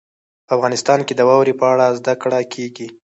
په افغانستان کې د واورې په اړه زده کړه کېږي.